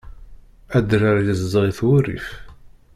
Adrar izdeɣ-it wurrif.